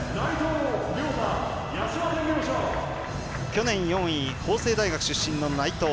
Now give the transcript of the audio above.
去年４位、法政大学出身の内藤。